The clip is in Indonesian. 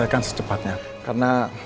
kita sampai sepuluh ya